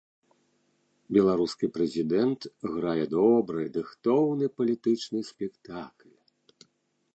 Беларускі прэзідэнт грае добры, дыхтоўны палітычны спектакль.